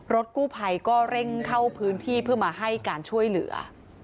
รถกู้ภัยก็เร่งเข้าพื้นที่เพื่อมาให้การช่วยเหลือ